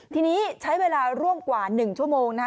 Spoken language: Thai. ทีนี้ใช้เวลาร่วมกว่า๑ชั่วโมงนะคะ